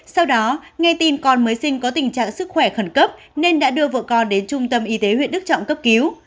sau đó nghe tin con mới sinh có tình trạng sức khỏe khẩn cấp nên đã đưa vợ con đến trung tâm y tế huyện đức trọng cấp cứu